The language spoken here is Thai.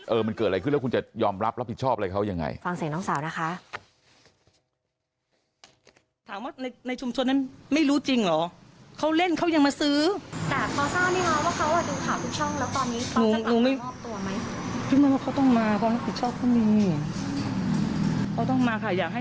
เออมันเกิดอะไรขึ้นแล้วคุณจะยอมรับรับผิดชอบอะไรเขายังไง